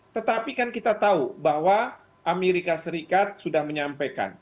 tetapi kan kita tahu bahwa amerika serikat sudah menyampaikan